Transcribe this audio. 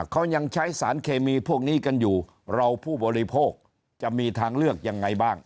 เขายังใช้สารเคมีพวกนี้กันอยู่เราผู้บริโภคจะมีทางเลือกยังไงบ้าง